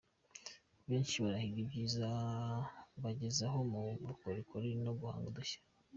Benshi barahiga ibyiza bagezeho mu bukorikori no guhanga udushya.